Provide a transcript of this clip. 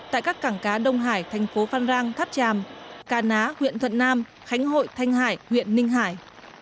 tại các cảng cá đông hải thành phố phan rang tháp tràm cà ná huyện thuận nam khánh hội thanh hải huyện ninh hải